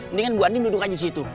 mendingan buandien duduk aja di situ